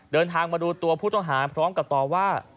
เดินทางมาดูตัวผู้ต้องหาพร้อมกับต่อว่า